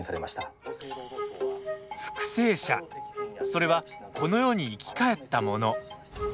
それは、この世に生き返った者。